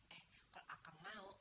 eh kalau akang mau